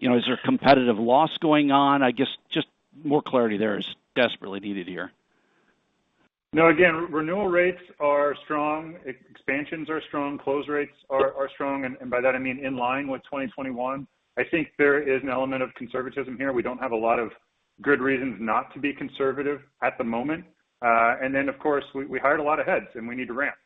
You know, is there a competitive loss going on? I guess just more clarity there is desperately needed here. No, again, renewal rates are strong, expansions are strong, close rates are strong, and by that I mean in line with 2021. I think there is an element of conservatism here. We don't have a lot of good reasons not to be conservative at the moment. And then, of course, we hired a lot of heads, and we need to ramp.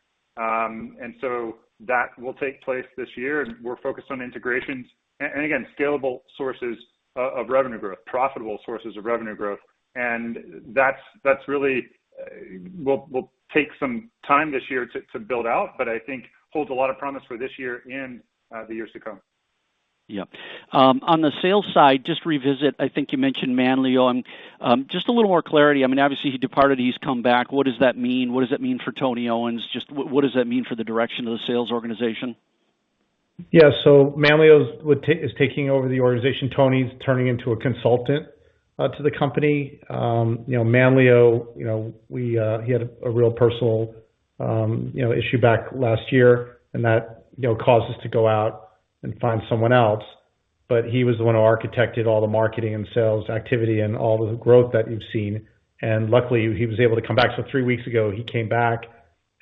That will take place this year, and we're focused on integrations and again, scalable sources of revenue growth, profitable sources of revenue growth. That's really. It will take some time this year to build out, but I think it holds a lot of promise for this year and the years to come. Yeah. On the sales side, just revisit, I think you mentioned Manlio. Just a little more clarity. I mean, obviously he departed, he's come back. What does that mean? What does that mean for Tony Owens? Just what does that mean for the direction of the sales organization? Yeah. Manlio is taking over the organization. Tony's turning into a consultant to the company. You know Manlio, you know, we, he had a real personal, you know, issue back last year, and that, you know, caused us to go out and find someone else. He was the one who architected all the marketing and sales activity and all the growth that you've seen. Luckily, he was able to come back. Three weeks ago, he came back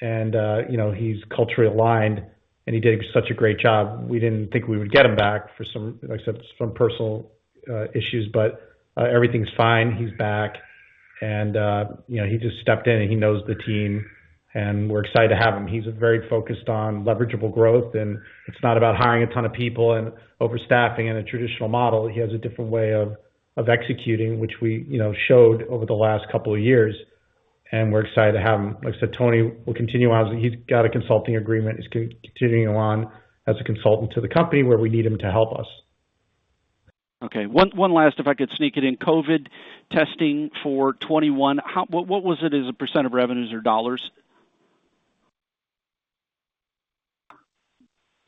and, you know, he's culturally aligned, and he did such a great job. We didn't think we would get him back for some, like I said, some personal issues. Everything's fine. He's back, and, you know, he just stepped in, and he knows the team, and we're excited to have him. He's very focused on leverageable growth, and it's not about hiring a ton of people and overstaffing in a traditional model. He has a different way of executing, which we, you know, showed over the last couple of years, and we're excited to have him. Like I said, Tony will continue on. He's got a consulting agreement. He's continuing on as a consultant to the company where we need him to help us. Okay, one last, if I could sneak it in. COVID testing for 2021. What was it as a percent of revenues or dollars?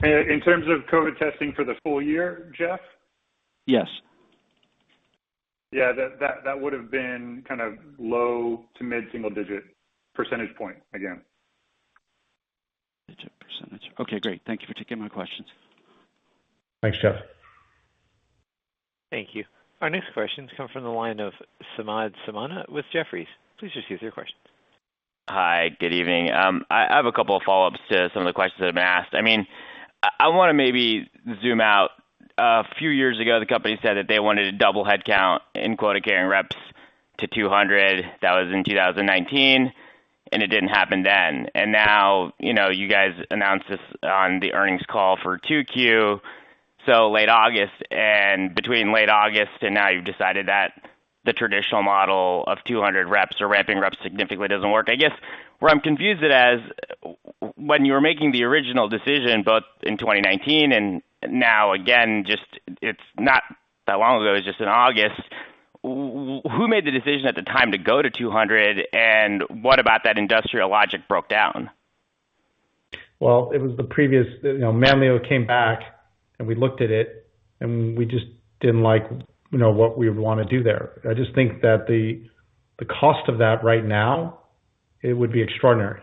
In terms of COVID testing for the full year, Jeff? Yes. Yeah, that would've been kind of low- to mid-single-digit percentage point again. Percentage. Okay, great. Thank you for taking my questions. Thanks, Jeff. Thank you. Our next question comes from the line of Samad Samana with Jefferies. Please just use your question. Hi. Good evening. I have a couple of follow-ups to some of the questions that have been asked. I mean, I wanna maybe zoom out. A few years ago, the company said that they wanted to double headcount in quota-carrying reps to 200. That was in 2019, and it didn't happen then. Now, you know, you guys announced this on the earnings call for 2Q, so late August. Between late August and now you've decided that the traditional model of 200 reps or ramping reps significantly doesn't work. I guess where I'm confused is as when you were making the original decision, both in 2019 and now again, just it's not that long ago, it was just in August. Who made the decision at the time to go to 200, and what about that original logic broke down? Well, it was the previous. You know, Manlio came back, and we looked at it, and we just didn't like, you know, what we want to do there. I just think that the cost of that right now, it would be extraordinary.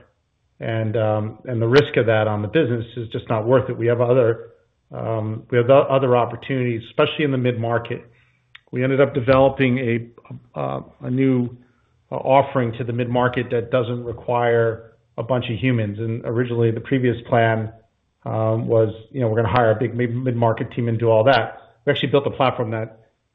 The risk of that on the business is just not worth it. We have other opportunities, especially in the mid-market. We ended up developing a new offering to the mid-market that doesn't require a bunch of humans. Originally, the previous plan was, you know, we're gonna hire a big mid-market team and do all that. We actually built a platform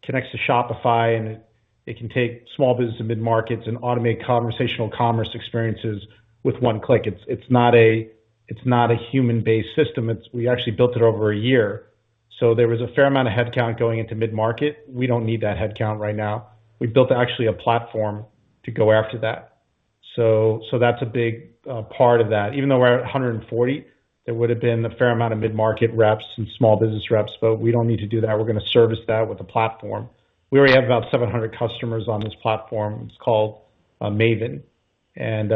that connects to Shopify, and it can take small business and mid-markets and automate conversational commerce experiences with one click. It's not a human-based system. We actually built it over a year. There was a fair amount of headcount going into mid-market. We don't need that headcount right now. We built actually a platform to go after that. That's a big part of that. Even though we're at 140, it would've been a fair amount of mid-market reps and small business reps, but we don't need to do that. We're gonna service that with the platform. We already have about 700 customers on this platform. It's called Maven, and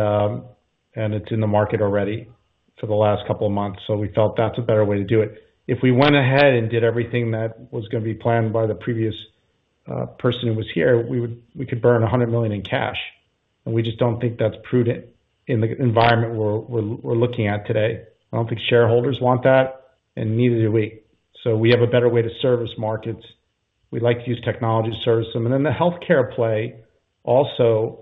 it's in the market already for the last couple of months. We felt that's a better way to do it. If we went ahead and did everything that was gonna be planned by the previous person who was here, we could burn $100 million in cash. We just don't think that's prudent in the environment we're looking at today. I don't think shareholders want that, and neither do we. We have a better way to service markets. We like to use technology to service them. Then the healthcare play also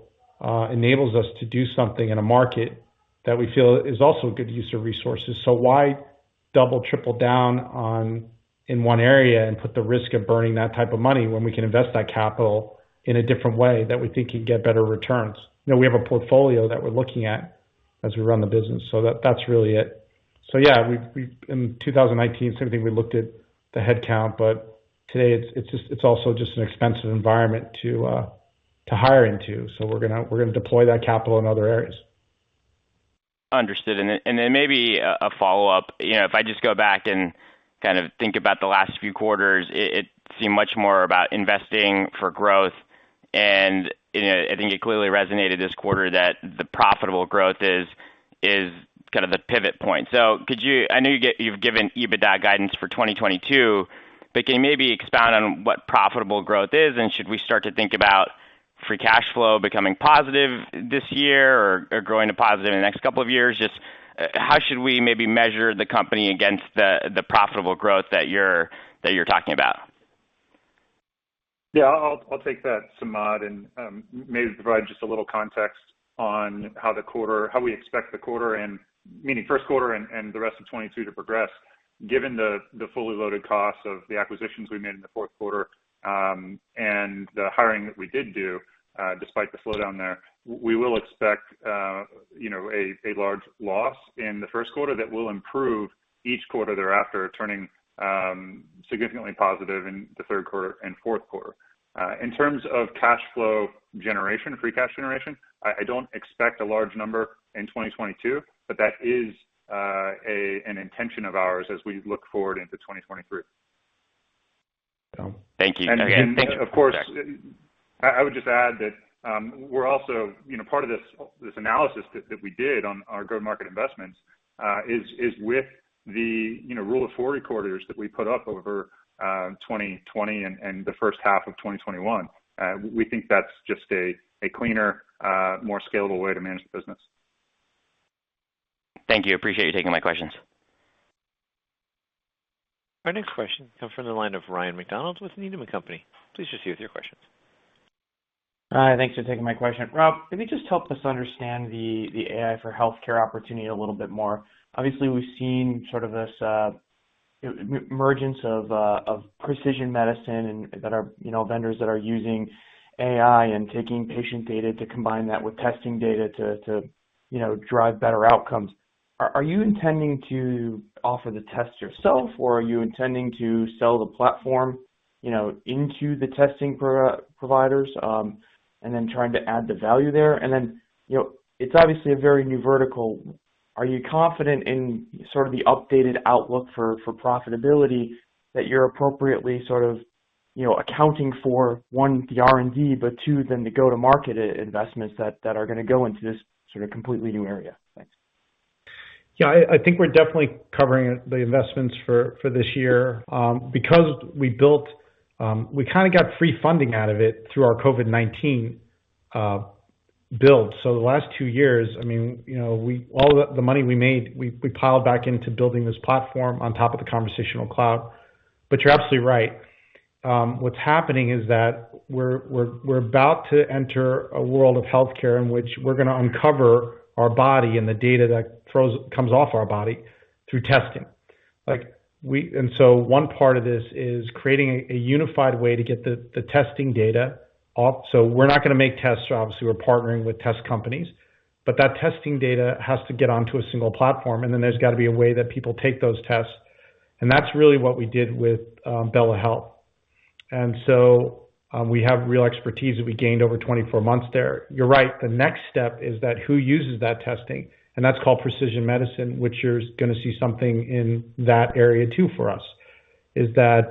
enables us to do something in a market that we feel is also a good use of resources. Why double, triple down on in one area and put the risk of burning that type of money when we can invest that capital in a different way that we think can get better returns? You know, we have a portfolio that we're looking at as we run the business. That's really it. Yeah, in 2019, same thing, we looked at the headcount, but today it's also just an expensive environment to hire into. We're gonna deploy that capital in other areas. Understood. Then maybe a follow-up. You know, if I just go back and kind of think about the last few quarters, it seemed much more about investing for growth. You know, I think it clearly resonated this quarter that the profitable growth is kind of the pivot point. Could you, I know you've given EBITDA guidance for 2022, but can you maybe expound on what profitable growth is? And should we start to think about free cash flow becoming positive this year or growing to positive in the next couple of years? Just how should we maybe measure the company against the profitable growth that you're talking about? Yeah, I'll take that, Samad, and maybe provide just a little context on how we expect the quarter and meaning Q1 and the rest of 2022 to progress. Given the fully loaded costs of the acquisitions we made in the Q4 and the hiring that we did do, despite the slowdown there, we will expect, you know, a large loss in the Q1 that will improve each quarter thereafter, turning significantly positive in the Q3 and Q4. In terms of cash flow generation, free cash generation, I don't expect a large number in 2022, but that is an intention of ours as we look forward into 2023. Thank you. Again, thank you for the question. Of course, I would just add that we're also, you know, part of this analysis that we did on our go-to-market investments is with the, you know, Rule of 40 that we put up over 2020 and the first half of 2021. We think that's just a cleaner, more scalable way to manage the business. Thank you. I appreciate you taking my questions. Our next question comes from the line of Ryan MacDonald with Needham & Company. Please proceed with your questions. Thanks for taking my question. Rob, can you just help us understand the AI for healthcare opportunity a little bit more? Obviously, we've seen sort of this emergence of precision medicine and there are vendors that are using AI and taking patient data to combine that with testing data to drive better outcomes. Are you intending to offer the test yourself, or are you intending to sell the platform into the testing providers, and then trying to add the value there? It's obviously a very new vertical. Are you confident in the updated outlook for profitability that you're appropriately accounting for, one, the R&D, but two, the go-to-market investments that are gonna go into this completely new area? Thanks. Yeah. I think we're definitely covering the investments for this year, because we built. We kinda got free funding out of it through our COVID-19 build. The last two years, I mean, you know, we all the money we made, we piled back into building this platform on top of the Conversational Cloud. You're absolutely right. What's happening is that we're about to enter a world of healthcare in which we're gonna uncover our body and the data that comes off our body through testing. Like, one part of this is creating a unified way to get the testing data off. We're not gonna make tests obviously, we're partnering with test companies, but that testing data has to get onto a single platform, and then there's gotta be a way that people take those tests. That's really what we did with BELLA Health. We have real expertise that we gained over 24 months there. You're right. The next step is that who uses that testing, and that's called precision medicine, which you're gonna see something in that area too for us, is that.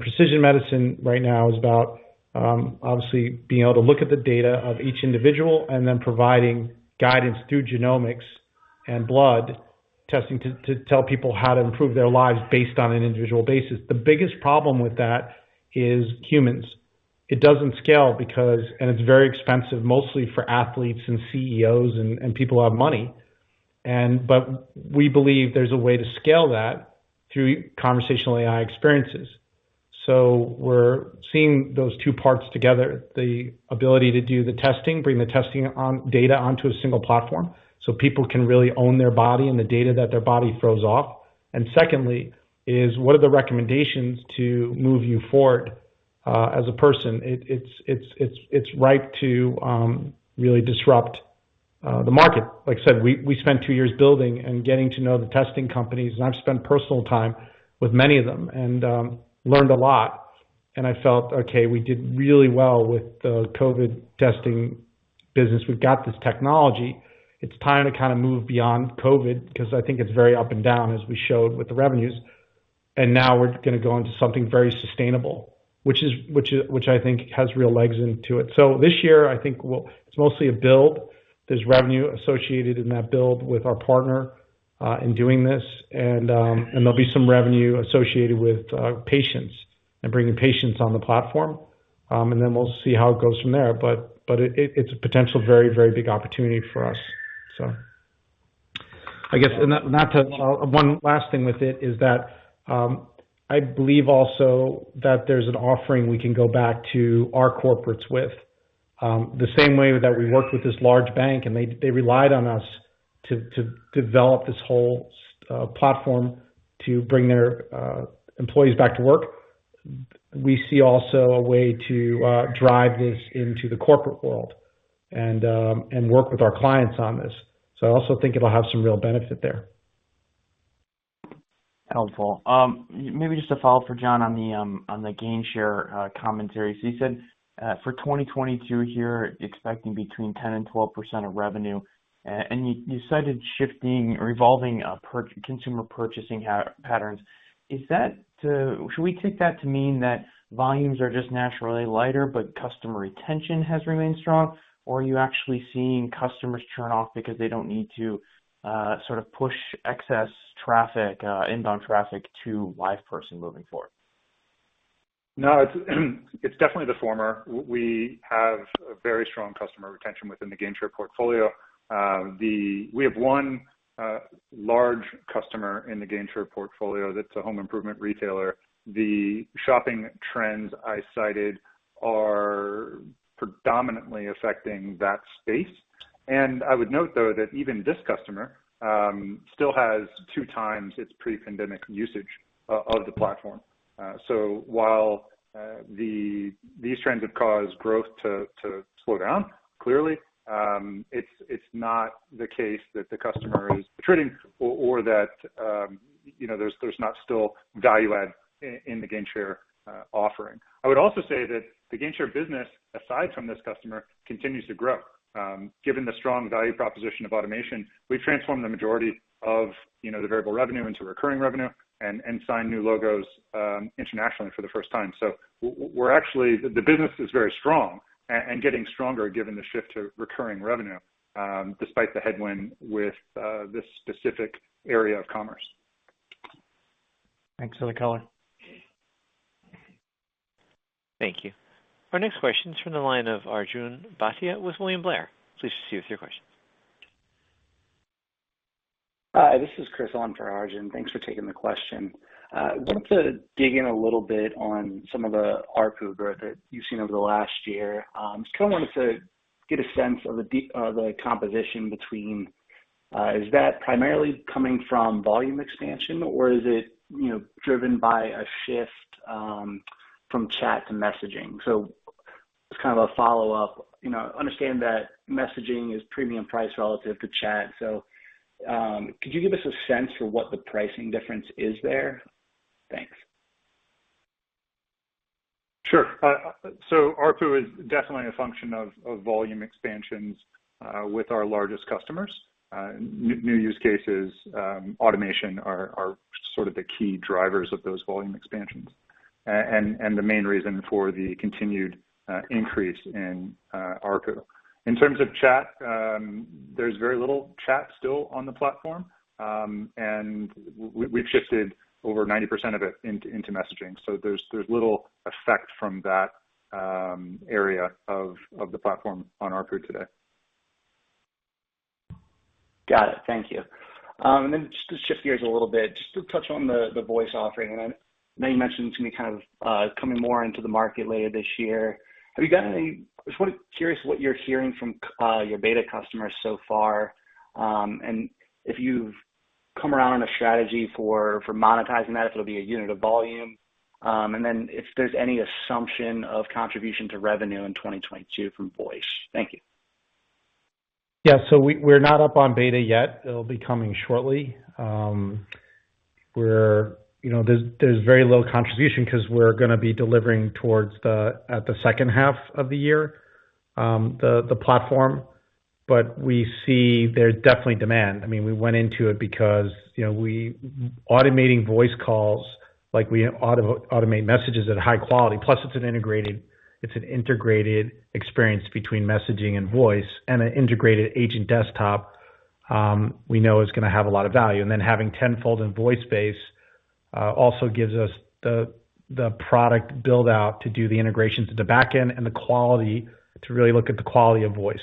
Precision medicine right now is about obviously being able to look at the data of each individual and then providing guidance through genomics and blood testing to tell people how to improve their lives based on an individual basis. The biggest problem with that is humans. It doesn't scale because. It's very expensive, mostly for athletes and CEOs and people who have money. We believe there's a way to scale that through Conversational AI experiences. We're seeing those two parts together, the ability to do the testing, bring the testing and data onto a single platform, so people can really own their body and the data that their body throws off. Secondly, what are the recommendations to move you forward as a person? It's ripe to really disrupt the market. Like I said, we spent two years building and getting to know the testing companies, and I've spent personal time with many of them and learned a lot. I felt, okay, we did really well with the COVID testing business. We've got this technology. It's time to kinda move beyond COVID, 'cause I think it's very up and down, as we showed with the revenues, and now we're gonna go into something very sustainable, which I think has real legs into it. This year, I think it's mostly a build. There's revenue associated in that build with our partner in doing this. There'll be some revenue associated with patients and bringing patients on the platform. We'll see how it goes from there. It's a potential very, very big opportunity for us. I guess one last thing with it is that I believe also that there's an offering we can go back to our corporates with. The same way that we worked with this large bank, and they relied on us to develop this whole platform to bring their employees back to work. We see also a way to drive this into the corporate world and work with our clients on this. I also think it'll have some real benefit there. Helpful. Maybe just a follow-up for John on the GainShare commentary. You said for 2022 here, expecting between 10% and 12% of revenue. You cited shifting or evolving consumer purchasing patterns. Should we take that to mean that volumes are just naturally lighter, but customer retention has remained strong? Or are you actually seeing customers churn off because they don't need to sort of push excess inbound traffic to LivePerson moving forward? No. It's definitely the former. We have a very strong customer retention within the GainShare portfolio. We have one large customer in the GainShare portfolio that's a home improvement retailer. The shopping trends I cited are predominantly affecting that space. I would note, though, that even this customer still has two times its pre-pandemic usage of the platform. While these trends have caused growth to slow down, clearly, it's not the case that the customer is churning or that you know, there's not still value add in the GainShare offering. I would also say that the GainShare business, aside from this customer, continues to grow. Given the strong value proposition of automation, we've transformed the majority of, you know, the variable revenue into recurring revenue and signed new logos, internationally for the first time. The business is very strong and getting stronger given the shift to recurring revenue, despite the headwind with this specific area of commerce. Thanks for the color. Thank you. Our next question is from the line of Arjun Bhatia with William Blair. Please proceed with your question. Hi, this is Chris on for Arjun Bhatia. Thanks for taking the question. Wanted to dig in a little bit on some of the ARPU growth that you've seen over the last year. Just kinda wanted to get a sense of the composition between, is that primarily coming from volume expansion or is it, you know, driven by a shift from chat to messaging? As kind of a follow-up, you know, understand that messaging is premium price relative to chat. Could you give us a sense for what the pricing difference is there? Thanks. Sure. ARPU is definitely a function of volume expansions with our largest customers. New use cases, automation are sort of the key drivers of those volume expansions and the main reason for the continued increase in ARPU. In terms of chat, there's very little chat still on the platform. We've shifted over 90% of it into messaging. There's little effect from that area of the platform on ARPU today. Got it. Thank you. Just to shift gears a little bit, just to touch on the voice offering, and I know you mentioned to me kind of coming more into the market later this year. Curious what you're hearing from your beta customers so far. If you've come around on a strategy for monetizing that, if it'll be a unit of volume. If there's any assumption of contribution to revenue in 2022 from voice. Thank you. Yeah. We're not up on beta yet. It'll be coming shortly. You know, there's very low contribution 'cause we're gonna be delivering towards the, at the second half of the year, the platform. We see there's definitely demand. I mean, we went into it because, you know, automating voice calls like we automate messages at high quality, plus it's an integrated experience between messaging and voice, and an integrated agent desktop, we know is gonna have a lot of value. Then having Tenfold and VoiceBase also gives us the product build-out to do the integration to the back end and the quality, to really look at the quality of voice,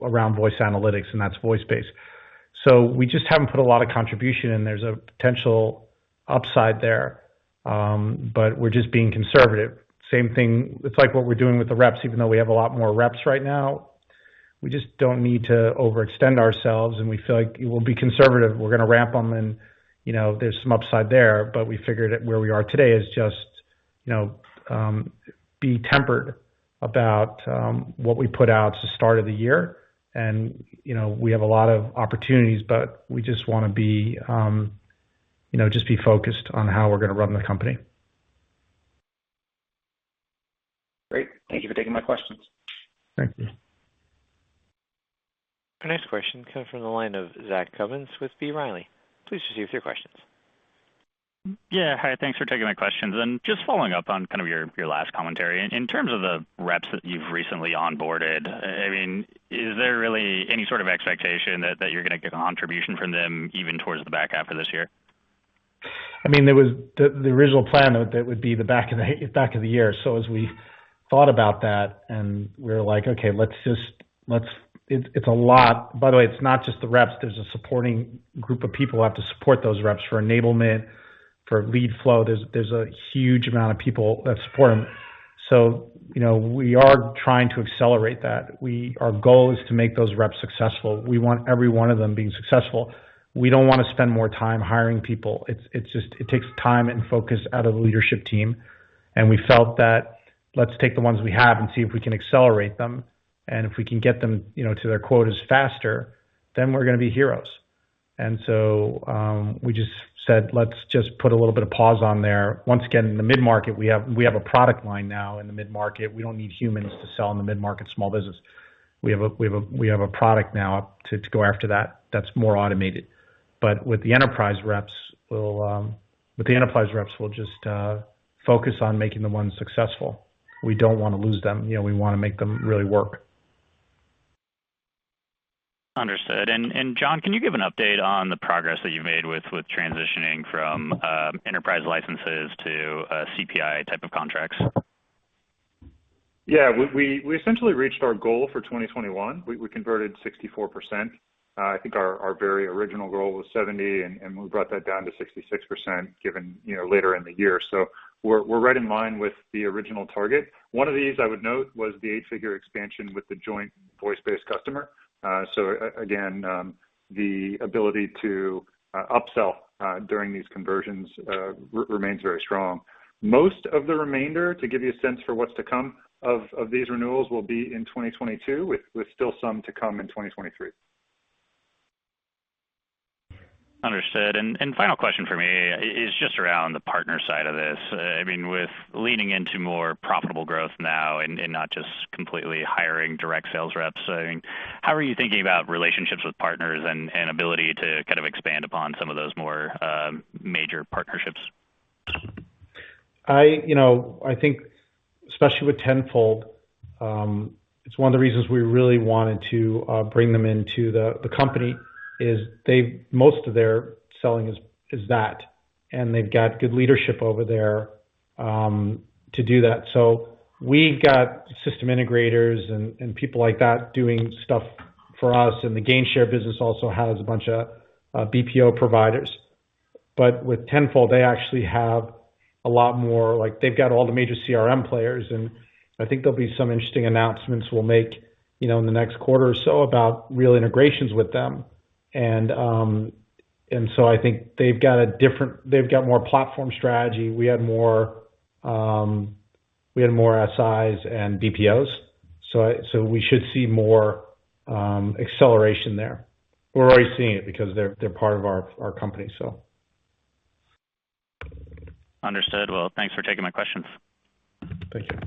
around voice analytics, and that's VoiceBase. We just haven't put a lot of contribution in. There's a potential upside there, but we're just being conservative. Same thing. It's like what we're doing with the reps, even though we have a lot more reps right now. We just don't need to overextend ourselves, and we feel like we'll be conservative. We're gonna ramp them and, you know, there's some upside there, but we figured that where we are today is just, you know, be tempered about what we put out to start of the year. You know, we have a lot of opportunities, but we just wanna be, you know, just be focused on how we're gonna run the company. Great. Thank you for taking my questions. Thank you. Our next question comes from the line of Zach Cummins with B. Riley. Please proceed with your questions. Yeah. Hi. Thanks for taking my questions. Just following up on kind of your last commentary. In terms of the reps that you've recently onboarded, I mean, is there really any sort of expectation that you're gonna get a contribution from them even towards the back half of this year? I mean, the original plan of it, that would be the back of the year, as we thought about that and we're like, "Okay, let's just." It's a lot. By the way, it's not just the reps. There's a supporting group of people who have to support those reps for enablement, for lead flow. There's a huge amount of people that support them. You know, we are trying to accelerate that. Our goal is to make those reps successful. We want every one of them being successful. We don't wanna spend more time hiring people. It's just it takes time and focus out of the leadership team, and we felt that, let's take the ones we have and see if we can accelerate them, and if we can get them, you know, to their quotas faster, then we're gonna be heroes. We just said, "Let's just put a little bit of pause on there." Once again, in the mid-market, we have a product line now in the mid-market. We don't need humans to sell in the mid-market small business. We have a product now to go after that's more automated. But with the enterprise reps, we'll just focus on making the ones successful. We don't wanna lose them. You know, we wanna make them really work. Understood. John, can you give an update on the progress that you made with transitioning from enterprise licenses to CPI type of contracts? Yeah. We essentially reached our goal for 2021. We converted 64%. I think our very original goal was 70 and we brought that down to 66% given, you know, later in the year. We're right in line with the original target. One of these I would note was the eight-figure expansion with the joint VoiceBase customer. Again, the ability to upsell during these conversions remains very strong. Most of the remainder, to give you a sense for what's to come of these renewals, will be in 2022 with still some to come in 2023. Understood. Final question for me is just around the partner side of this. I mean, with leaning into more profitable growth now and not just completely hiring direct sales reps, I mean, how are you thinking about relationships with partners and ability to kind of expand upon some of those more major partnerships? You know, I think especially with Tenfold, it's one of the reasons we really wanted to bring them into the company is that they've most of their selling is that, and they've got good leadership over there to do that. We got system integrators and people like that doing stuff for us. The GainShare business also has a bunch of BPO providers. With Tenfold, they actually have a lot more. Like, they've got all the major CRM players, and I think there'll be some interesting announcements we'll make, you know, in the next quarter or so about real integrations with them. I think they've got more of a platform strategy. We have more SIs and BPOs. We should see more acceleration there. We're already seeing it because they're part of our company, so. Understood. Well, thanks for taking my questions. Thank you.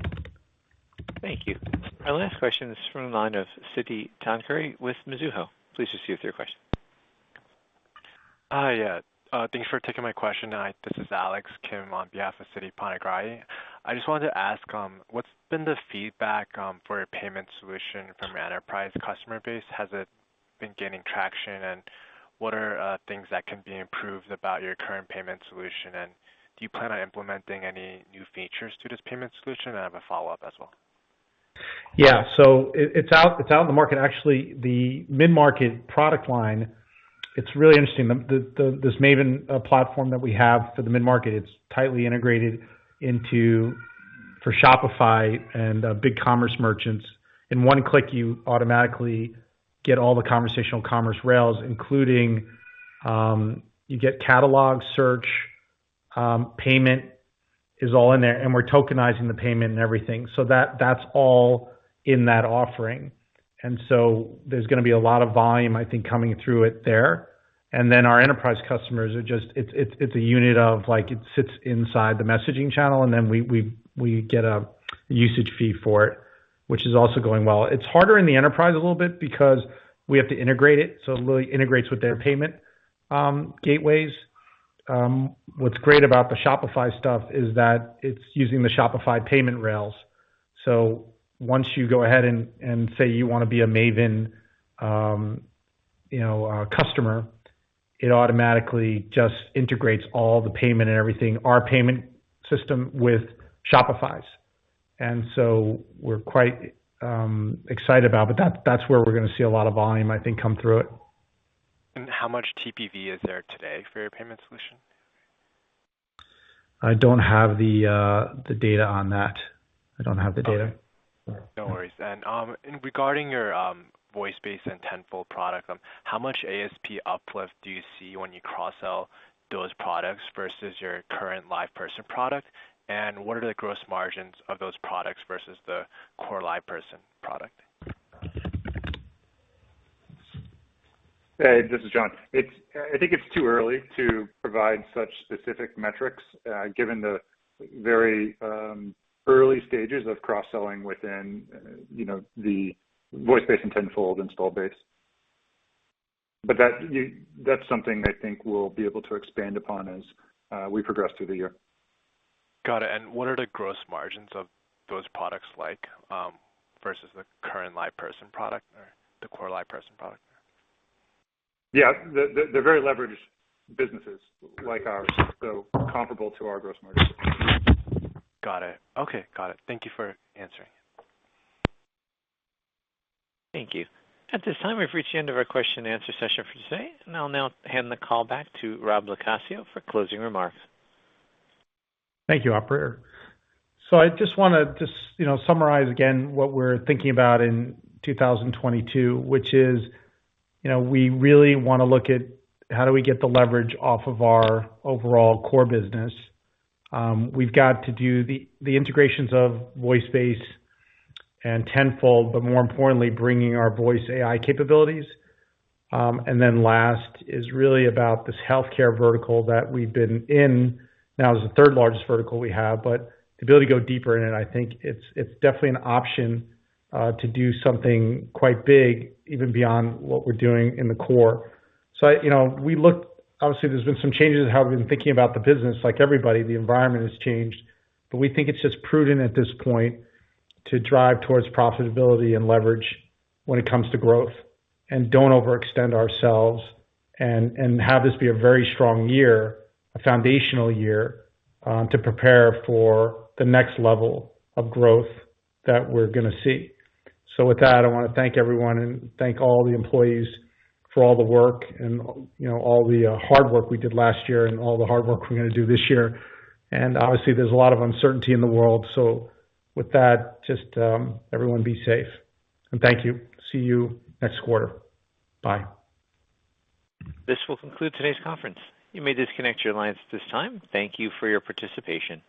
Thank you. Our last question is from the line of Siti Panigrahi with Mizuho. Please proceed with your question. Thank you for taking my question. This is Alex Kim on behalf of Siti Panigrahi. I just wanted to ask, what's been the feedback for your payment solution from your enterprise customer base? Has it been gaining traction, and what are things that can be improved about your current payment solution? Do you plan on implementing any new features to this payment solution? I have a follow-up as well. Yeah. It's out in the market. Actually, the mid-market product line, it's really interesting. The Maven platform that we have for the mid-market, it's tightly integrated, for Shopify and BigCommerce merchants. In one click, you automatically get all the conversational commerce rails, including you get catalog search, payment is all in there, and we're tokenizing the payment and everything. That's all in that offering. There's gonna be a lot of volume, I think, coming through it there. Our enterprise customers are just. It's a unit of, like, it sits inside the messaging channel, and then we get a usage fee for it, which is also going well. It's harder in the enterprise a little bit because we have to integrate it, so it really integrates with their payment gateways. What's great about the Shopify stuff is that it's using the Shopify payment rails. Once you go ahead and say you wanna be a Maven, you know, customer, it automatically just integrates all the payment and everything, our payment system with Shopify's. We're quite excited about it. That, that's where we're gonna see a lot of volume, I think, come through it. How much TPV is there today for your payment solution? I don't have the data on that. I don't have the data. No worries. Regarding your voice-based and Tenfold product, how much ASP uplift do you see when you cross-sell those products versus your current LivePerson product? What are the gross margins of those products versus the core LivePerson product? Hey, this is John. I think it's too early to provide such specific metrics, given the very early stages of cross-selling within, you know, the voice-based and Tenfold install base. That's something I think we'll be able to expand upon as we progress through the year. Got it. What are the gross margins of those products like, versus the current LivePerson product or the core LivePerson product? Yeah. They're very leveraged businesses like ours, so comparable to our gross margin. Got it. Okay. Got it. Thank you for answering. Thank you. At this time, we've reached the end of our question and answer session for today, and I'll now hand the call back to Rob LoCascio for closing remarks. Thank you, operator. I just wanna, you know, summarize again what we're thinking about in 2022, which is, you know, we really wanna look at how do we get the leverage off of our overall core business. We've got to do the integrations of VoiceBase and Tenfold, but more importantly, bringing our Voice AI capabilities. And then last is really about this healthcare vertical that we've been in. Now it's the third largest vertical we have, but the ability to go deeper in it, I think it's definitely an option to do something quite big, even beyond what we're doing in the core. You know, we look obviously, there's been some changes in how we've been thinking about the business. Like everybody, the environment has changed. We think it's just prudent at this point to drive towards profitability and leverage when it comes to growth and don't overextend ourselves and have this be a very strong year, a foundational year, to prepare for the next level of growth that we're gonna see. With that, I wanna thank everyone and thank all the employees for all the work and, you know, all the hard work we did last year and all the hard work we're gonna do this year. Obviously, there's a lot of uncertainty in the world. With that, just everyone be safe. Thank you. See you next quarter. Bye. This will conclude today's conference. You may disconnect your lines at this time. Thank you for your participation.